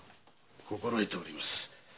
心得ております。